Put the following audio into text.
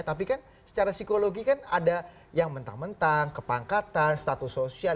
tapi kan secara psikologi kan ada yang mentang mentang kepangkatan status sosial